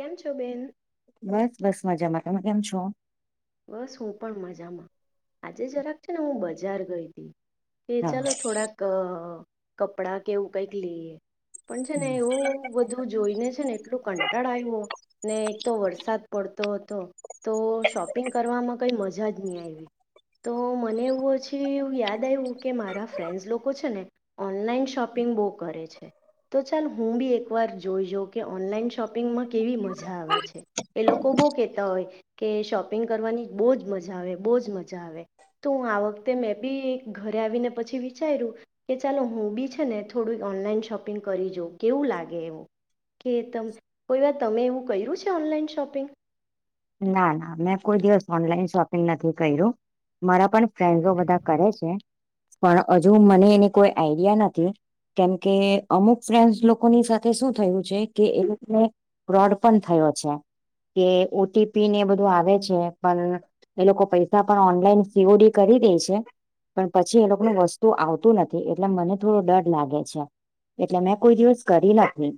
કેમ છો બેેન? બસ બસ મજામાં તમે કેમ છો? બસ હું પણ મજામાં આજે જરાક છે ને હું બજાર ગઈ હતી. કે હા ચાલો થોડાક કપડા કેવું કઈક લઈએ પણ છે ને એવું બધું જોઈને છે ને એટલું કંટાળ આવ્યો ને એક તો વરસાદ પડતો હતો તો શોપિંગ કરવામાં કઈ મજા જ નહી આવી. તો મને એવું પછી એવું યાદ આવ્યું કે મારા ફ્રેન્ડ્સ લોકો છે ને ઓનલાઈન શોપિંગ બહુ કરે છે. તો ચાલ હું બી એક વાર જોઈજ કે ઓનલાઈન શોપિંગમાં કેવી મજા આવે છે. એ લોકો બહુ કેતા હોય કે શોપિંગ કરવાની બહુજ મજા આવે બહુજ મજા આવે. તો હું આ વખતે મેં બી ઘરે આવીને પછી વિચાર્યું કે ચાલો હું બી છે ને થોડું ઓનલાઈન શોપિંગ કરી જોઉ કેવું લાગે એવું કે તમ કોઈ વાર તમે એવું કર્યું છે ઓનલાઈન શોપિંગ ના ના મેં કોઈ દિવસ ઓનલાઈન શોપિંગ નથી કર્યું. મારા પણ ફ્રેન્ડો બધા કરે છે પણ હજુ મને એની કોઈ આઈડિયા નથી. કેમકે અમુક ફ્રેન્સ લોકોની સાથે શું થયું છે કે એ લોકોને ફ્રોડ પણ થયો છે કે ટીપી ને એ બધું આવે છે પણ એ લોકો પૈસા પણ ઓનલાઈન સીઓડી કરી દે છે. પણ પછી એ લોકોનું વસ્તુ આવતું નથી એટલે મને થોડો ડર લાગે છે. એટલે મેં કોઈ દિવસ કરી નથી.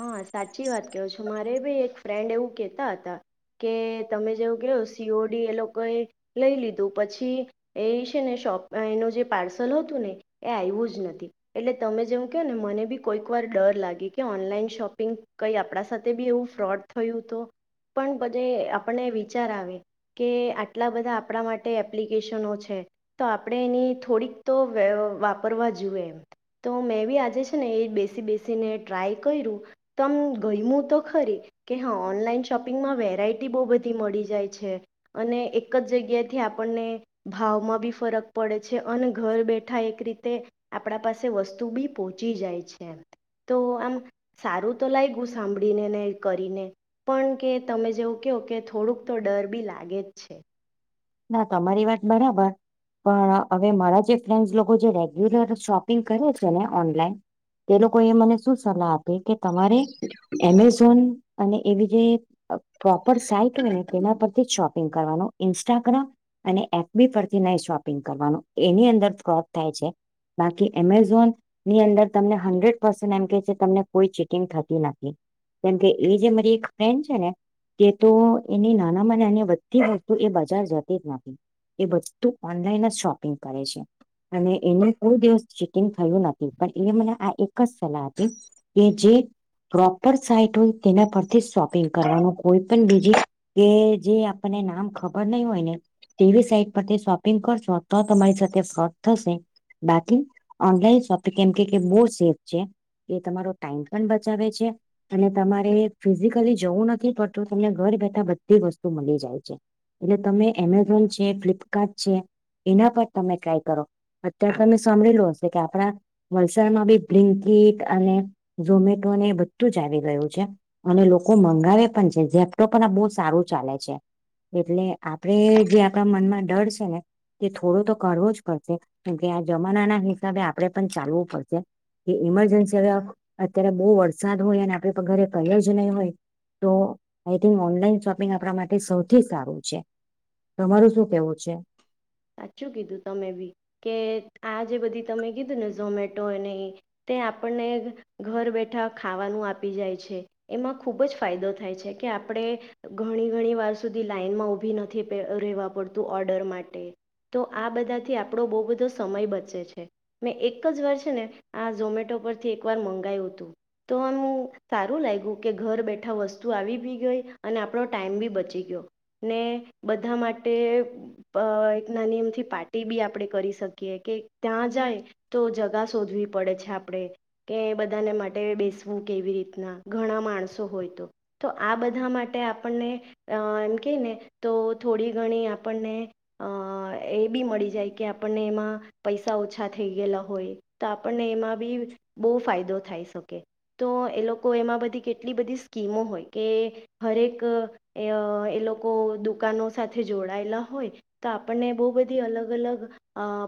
હા સાચી વાત કયો છો મારે ભી એક ફ્રેન્ડ એવું કેતા હતા. કે તમે જેવું કે સીઓડી એ લોકોએ લઈ લીધું પછી એ છે ને શોપ એનું જે પાર્સલ હતું ને એ આવ્યું જ નથી એટલે તમે જેવું કહ ને મને બી કોઈક વાર ડર લાગી કે ઓનલાઈન શોપિંગ કઈ આપણા સાથે બી એવું ફ્રોડ થયું તો. પણ બધે આપને વિચાર આવે કે આટલા બધા આપણા માટે એપ્લિકેશનો છે. તો આપણે એની થોડીક તો વેવ વાપરવા જુએ એમ. તો મેં બી આજે છે ને એ બેસી બેસીને ટ્રાય કર્યું. તમ ગયમું તો ખરી. કે હા ઓનલાઈન શોપિંગમાં વેરાયટી બહુ બધી મળી જાય છે. અને એક જ જગ્યાથી આપણને ભાવમાં બી ફરક પડે છે અને ઘર બેઠા એક રીતે આપણા પાસે વસ્તુ બી પહોંચી જાય છે એ તો આમ સારું તો લાયે ગયું સાંભળીને ને કરીને. પણ કે તમે જેવું કહો કે થોડુંક તો ડર બી લાગે જ છે. ના તમારી વાત બરોબર. પણ હવે મારા જે ફ્રેન્ડસ લોકો જે રેગ્યુલર શોપિંગ કરે છે ને ઓનલાઈન તે લોકો એ મને શું સલાહ આપે કે તમારે એમેઝોન અને એવી જે પ્રોપર સાઈટ હોય ને તેના પરથી શોપિંગ કરવાનો ઇન્ ઇન્સ્ટાગ્રામ અને એફબી પરથી ન શોપિંગ કરવાનું એની અંદર ક્રોડ થાય છે. બાકી એમેઝોન ની અંદર તમને હંડ્રેડ પસન્ટ એમ કે છે તમને કોઈ ચેટિંગ થતી નથી. કેમકે એ જે મારી એક ફ્રેન્ડ છે ને તે તો એની નાનામાંની બધી વસ્તુ એ બજાર જાતી જ નથી. એ બધું ઓનલાઈન જ શોપિંગ કરે છે. અને એનું કોઈ દિવસ ચીટીંગ થયું નથી પણ એ મને આ એક જ સલાહ હતી. કે જે પ્રોપર સાઈટ હોય તેના પરથી શોપિંગ કરવાનું કોઈ પણ બીજી કે જે આપને નામ ખબર ર ન હોય ને તેવી સાઈટ પરથી શોપિંગ કરશો તો તમારી સાથે ફ થશે બાકી ઓનલાઈન શોપિંગ કેમ કે બહુ સેફ છે એ તમારો ટાઈમ પણ બચાવે છે અને તમારે ફિઝિકલી જવું નથી પડતું તમને ઘર બેઠા બધી વસ્તુ મળી જાય છે એટલે તમે એમેઝોન છે ફ્લિપકાર્ટ છે એના પર તમે ટ્રાય કરો અત્યારે તમે સાભળેલ હશે કે આપડા વલસાડમાં બી બ્લિન્કટ અને ઝોમેટોને એ બધું જ આવી ગું છે અને લોકો મંગાવે પણ છે ચેપ્ટો પણ આ બહુ સારું ચાલે છે એટલે આપડે જે આપણા મનમાં ડર છે ને કે થોડો તો કરવો જ પડશે કેકે આ જમાના ના હિસાબે આપડે પણ ચાલવું પડશે કે ઇમરજન્સી હવે અત્યારે બહુ વરસાદ હોય અને આપણે ઘરે પ જ નહીં હોય તો આઈ થિંક ઓનલાઈન શોપિંગ આપણા માટે સૌથી થી સારું છે તમારું શું કેવું છે સાચું કીધું તમે બી કે આ જે બધી તમે કીધું ને ઝોમેટો અનેને તે આપણને ઘર બેઠા ખાવાનું આપી જાય છે એમાં ખૂબ જ ફાયદો થાય છે કે આપણે ઘણી ઘણી વાર સુધી લાઈનમાં ઉઊભી નથી રહેવા પડતું ઓર્ડર માટે તો આ બધાથી આપણો બહુ બધો સમય બચે છે મેં એક જ વર્ષ ને આ ઝોમેટો પરથી એક વાર મંગાયું હતું તો આમ સારું લાગ્યું કે ઘર બેઠા વસ્તુ આવી બી ગઈ અને આપણો ટાઈમ બી બચી ગયો ને બધા માટે નાની એમથી પાર્ટી બી આપણે કરી શકીએ કે ત્યાં જાય તો જગા શોધવી પડે છે આપડણે કે બધાને માટે બેસવું કેવી રીતના ઘણા માણસો હોય તો તો આ બધા માટે આપણને એમ ક ને તો થોડી ઘણી આપણને અ એ બી મળી જાય કે આપણને એમાં પૈસા ઓછા થઈ ગયેલા હોય તો આપણને એમાં બી બહુ ફાયદો થાય શકે તો એ લોકો એમાં બધી કેટલી બધી સ્કીમો હોય કે હરેક એ લોકો દુકાનો સાથે જોડાયેલા હોય તો આપણને બહુ બધી અલગ અલગ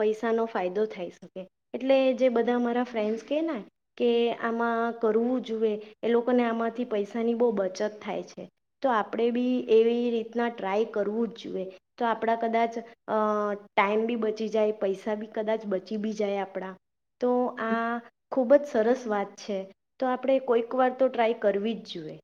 પૈસાનો ફાયદો થઈ શકે એટલે જે બધા અમારા ફ્રેન્ડસ કે ને કે આમાં કરવું જોુએ એ લોકોને આમાંથી પૈસાની બહુ બચત થાય છે તો આપણેે બી એવી રીતના ટ્રાય કરવું જ જોઈએ તો આપણા કદાચ અ ટાઈમ બી બચી જાય પૈસા બી કદાચ બચી બી જાય આપણા તો આ ખૂબ જ સરસ વાત છે તો આપડણે કોઈક વાર તો ટ્રાય કરવી જ જોઈએ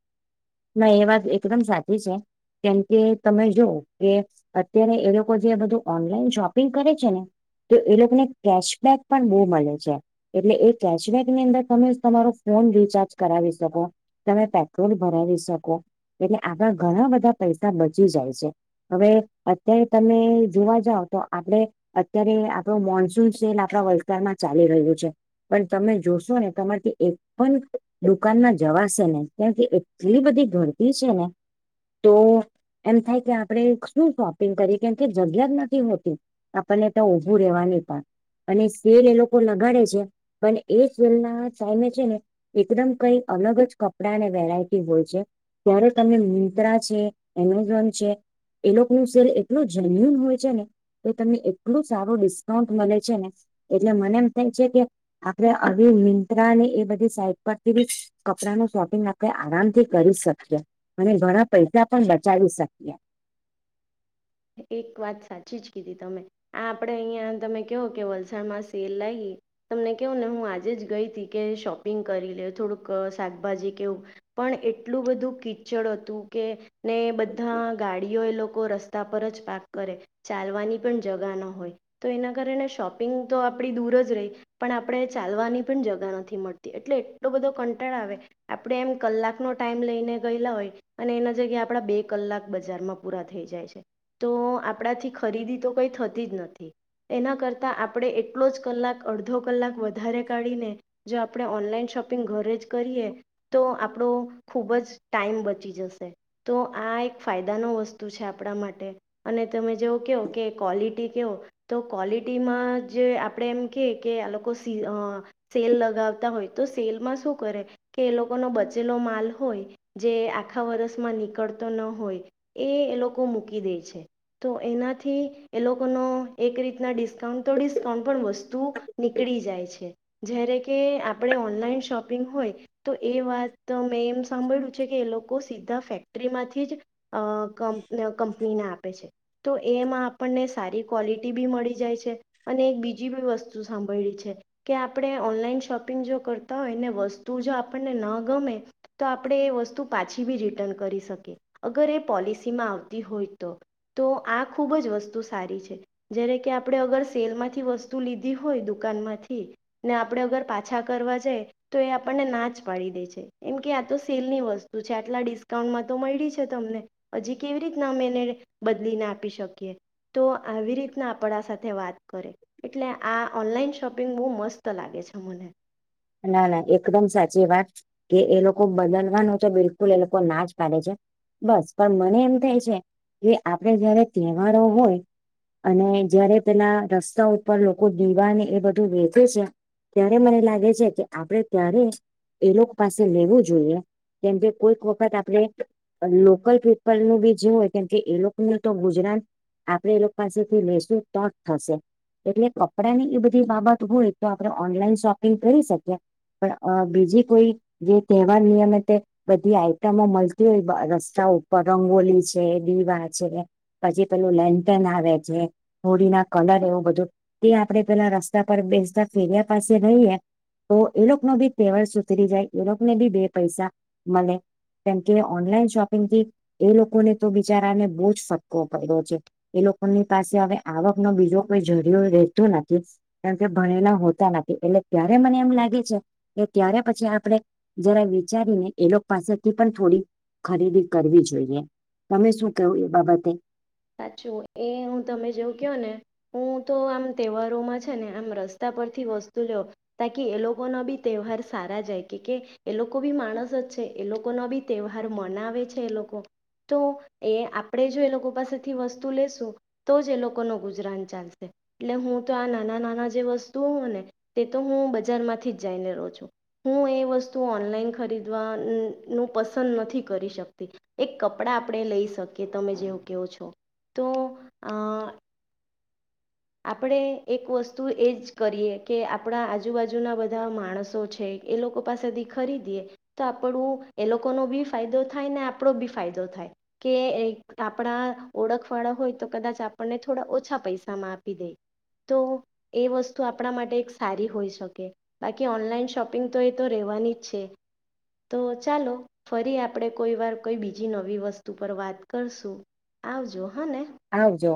ના એ વાત એકદમ સાચી છે કેમ કે તમે જોવ કે અત્યારે એ લોકો જે બધું ઓનલાઈન શોપિંગ કરે છે ને તો એ લોકોને કેશબેક પણ બહુ મળે છે એટલે એ કેશબેકની અંદર તમે તમારો ફોન રિચાર્જ કરાવી શકો તમે પેટ્રોલ ભરાવી શકો એટલે આણા ઘણા બધા પૈસા બચી જાય છે હવે અત્યારે તમે જોવા જાવ તો આપડે અત્યારે આપણું મોન્સૂન સેલ આપણા વલસાડમાં ચાલી રહ્યું છે પણ તમે જોશો ને તમારીથી એક પણ દુકાનમાં જવાશે ને ત્યાંથી એટલી બધી ઘરતી છે ને તો એમ થાય કે આપણે શું શોપિંગ કરી કેમ કે જગ્યા જ નથી હોતી આપણને તો ઉભું રેવા ન પણ અને શેર એ લોકો લગાડે છે પણ એ સેલના સામે છે ને એકદમ કઈ અલગ જ કપડા ને વેરાયટી હોય છે ત્યારે તમે મિંત્રા છે એમેઝોન છે એ લોકો ન સેલ એટલુ જેન્યુન હોય છે ને તો તમને એટલું સારું ડિસ્કાઉન્ટ મળે છે ને એટલે મને એમ થાય છે કે આપડે આવી મિંત્રાને એ બધી સાઈટ પરથી બી કપડા નું શોપિંગ આપ્યા આરામ થી કરી શકીએ અને ઘણા પૈસા પણ બચાવી શકીએ. એક વાત સાચી જ કીધી તમે. આ આપડે અહિયાં તમે કહો કે વલસાડમાં સેલ લાગી. તમને કેવું ને હું આજે જ ગઈ હતી કે શોપિંગ કરી લે થોડુંક શાકભાજી કેવું. પણ એટલું બધું કીચડ હતું કે ને બધા ગાડીઓ એ લોકો રસ્તા તા પર જ પાર્ક કરે ચાલવાની પણ જગા ના હોય. તો એના કારણે શોપિંગ તો આપણી દૂર જ રહી. પણ આપણે ચાલવાની પણ જગા નથી મળતી એટલે એટલો બધો કંટાળ આવે. આપણે એમ કલાકનો ટાઈમ લઈને ગયેલા હોય અને એના જગ્યા આપડા બે કલાક બજારમાં પૂરા થઈ જાય છે. તો આપણાથી ખરીદી તો કઈ થતી જ નથી. એના કરતા આપણે એટલો જ કલાક અડધો કલાક વધારે કાઢીને જો આપણે ઓનલાઈન શોપિંગ ઘરે જ કરીએ તો આપણો ખુબ જ ટાઈમ બચી જશે. તો આ એક ફાયદા ન વસ્તુ છે આપણા માટે. અને તમે જેવું કેહો કે ક્વોલિટી કેવો તો ક્વોલિટીમાં જ આપણે એમ કે કે આ લોકો સી સેલ લગાવતા હોય તો સેલમાં શું કરે કે એ લોકોનો બચેલો માલ હોય જે આખા વર્ષમાં નીકળતો ન હોય એ એ લોકો મૂકી દે છે તો એનાથી એ લોકોનો એક રીતના ડિસ્ તો ડિસ્કાઉન્ટ પણ વસ્તુ નીકળી જાય છે. જય્યારે કે આપણે ઓનલાઈન શોપિંગ હોય તો એ વાત તો મેં એમ સાંભળ્યું છે કે એ લોકો સીધા ફેક્ટરી માંથી જ ક કનીને આપે છે તો એમાં આપણને સારી ક્વલિટી બી મળી જાય છે. અને એક બીજી બી વસ્તુ સાંભળી છે. કે આપણે ઓનલાઈન શોપિંગ જો કરતા હોય ને વસ્તુ જો આપણને ન ગમે. તો આપણે એ વસ્તુ પાછી બી રિટર્ન કરી શકીએ અગર એ પોલિસી માં આવતી હોય. તો તો આ ખુબ જ વસ્તુ સારી છે. જ્યારે કે આપણે અગર સેલ માંથી વસ્તુ લીધી હોય દુકાનમાંથી. ને આપણે અગર પાછા કરવા જાય તો એ આપણને ના જ પાડી દે છે એમ કે આ તો સેલની વસ્તુ છે આટલા ડિસ્કાઉન્ટમાં તો મળી છે તમને. હજી કેવી રીતના અમે એને બદલીને આપી શકીએ. તો આવી રીતના આપણા સાથે વાત કરે. એટલે આ ઓનલાઈન શોપિંગ બહુ મસ્ત લાગે છે મને. ના ના એકદમ સાચી વાત. કે એ લોકો બદલવાનું છે બિલકુલ એ લોકો ના જ પાડે છે. બસ પણ મને એમ થાય છે કે આપડે જયારે તહેવારો હોય અને જયારે તેના રસ્તા ઉપર લોકો દીવાને એ બધું વેચે છે. ત્યારે મને લાગે છે કે આપડે ત્યારે એ લોકો પાસે લેવું જોઈએ. કેમ કે કોઈક વખત આપણે આ લોકલ પીપલનું બી જે હોય કેમ કે એ લોકોને તો ગુજરાત આપડે એ લોક પાસેથી લેશું તો જ થશે. એટલે કપડાંની એ બધી બાબત હોય તો આપણે ઓનલાઈન શોપિંગ કરી શક પણ બીજી કોઈ જે તહેવાર નિયમ તે બધી આઈટમો મળતી હોય રસ્તા ઉપર રંગોલી છે, દીવા છે. પછી પેલું લેન્થન આવે છે હોળ ના કલર એવું બધું. તે આપડે પેલા રસ્તા પર બેસતા ફેર્યા પાસે રહીએ તો એ લોકો નો બી તહેવાર સુધરી જાય એ લોકોને બી બે પૈસા મળે. કેમકે ઓનલાઈન શોપિંગ થી એ લોકોને તો બિચારાને બહુ જ ફટકો પડ્યો છે. એ લોકોની પાસે હવે આવકનો બીજો કોઈ જરિયો રહેતો નથી. કારણ કે ભણેલા હોતા નથી. એટલે ત્યારે મને એમ લાગે છે કે ત્યારે પછી આપણે જરા વિચારીને એ લોક પાસેથી પણ થોડી ખરીદી કરવી જોઈએ. તમે શું કેવું એ બાબતે? સાચું એ હું તમે જેવું કયો ને હું તો આમ તહેવારોમાં છે ને આમ રસ્તા પરથી વસ્તુ લ્યો. તાકી એ લોકોના બી તહેવાર સારા જાય. કે કે એ લોકો બી માણસ જ છે એ લોકોના બી તહેવાર મનાવે છે એ લોકો તો એ આપણે જો એ લોકો પાસે થી વસ્તુ લેશું તો જ એ લોકોનો ગુજરાન ચાલશે. એટલે હું તો આ નાના નાના જે વસ્તુ હો ને તે તો હું બજારમાંથી જઈને રહું છું. હું એ વસ્તુ ઓનલાઈન ખરીદવાનું પસંદ નથી કરી શકતી. એક કપડાં આપણે લઈ શકીએ તમે જેવું કયો છો તો અ આપણે એક વસ્તુ એજ કરીએ કે આપણા આજુબાજુના બધા માણસો છે. એ લોકો પાસેથી ખરીદીએ. તો આપણું એ લોકોનો બી ફાયદો થાય ને, આપણો બી ફાયદો થાય. કે આપણા ઓળખ વાળા હોય તો કદાચ આપણને થોડા ઓછા પૈસામાં આપ આપી દે. તો એ વસ્તુ આપણા માટે એક સારી હોઈ શકે. બાકી ઓનલાઈન શોપિંગ તો એ તો રહેવાની જ છે. તો ચાલો ફરી આપણે કોઈ વાર કોઈ બીજી નવી વસ્તુ પર વાત કરશું. આવજો હહ ને. આવજો.